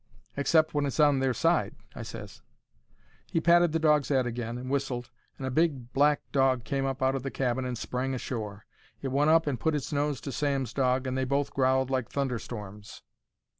"Except when it's on their side," I ses. He patted the dog's 'ead agin and whistled, and a big black dog came up out of the cabin and sprang ashore. It went up and put its nose to Sam's dog, and they both growled like thunderstorms.